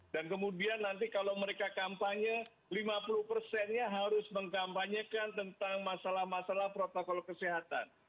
dan kemudian nanti kalau mereka kampanye lima puluh persennya harus mengkampanyekan tentang masalah masalah protokol kesehatan